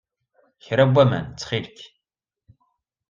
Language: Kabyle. Kra n waman, ttxil-k.